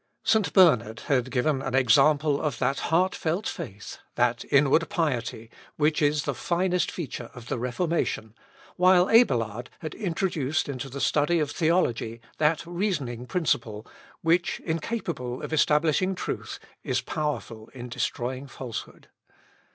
St. Bernard had given an example of that heart felt faith, that inward piety, which is the finest feature of the Reformation, while Abelard had introduced into the study of theology that reasoning principle, which, incapable of establishing truth, is powerful in destroying falsehood.